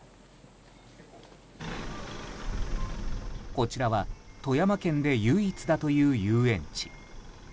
こちらは富山県で唯一だという遊園地。